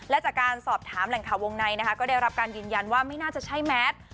และจากการสอบถามแหล่งข่าววงในนะคะก็ได้รับการยืนยันว่าไม่น่าจะใช่แมท